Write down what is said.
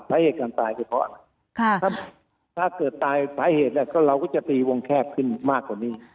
สาเหตุการตายคือเพราะอะไรถ้าเกิดตายสาเหตุเราก็จะตีวงแคบขึ้นมากกว่านี้